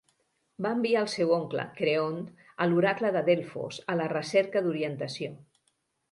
Va enviar el seu oncle, Creont, a l'Oracle de Delfos, a la recerca d'orientació.